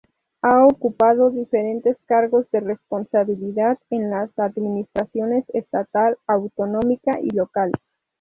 Ha ocupado diferentes cargos de responsabilidad en las administraciones estatal, autonómica y local.